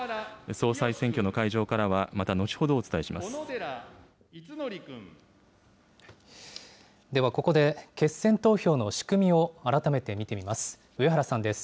総裁選挙の会場からは、ではここで、決選投票の仕組みを、改めて見てみます。